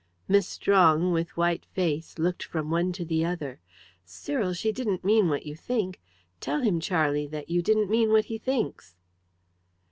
Miss Strong, with white face, looked from one to the other. "Cyril, she didn't mean what you think. Tell him, Charlie, that you didn't mean what he thinks."